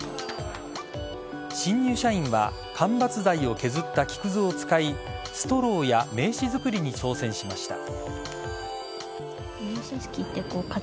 新入社員は間伐材を削った木くずを使いストローや名刺作りに挑戦しました。